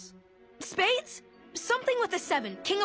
スペード？